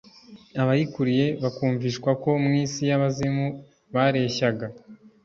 abayikuriye bakumvishwa ko mu isi y' abazimu bareshyaga,